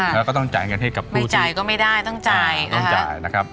แล้วก็ต้องจ่ายเงินให้กับผู้จ่ายก็ไม่ได้ต้องจ่ายต้องจ่ายนะครับ